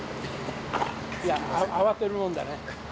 いや、慌てるもんだね。